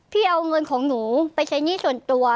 เอาเงินของหนูไปใช้หนี้ส่วนตัว